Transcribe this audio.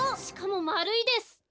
しかもまるいです！